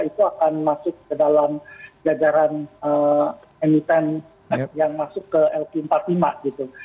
itu akan masuk ke dalam jajaran emiten yang masuk ke lk empat puluh lima gitu